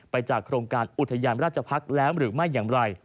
จากโครงการอุทยานราชพักษ์แล้วหรือไม่อย่างไร